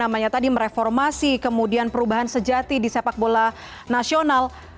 mereformasi kemudian perubahan sejati di sepak bola nasional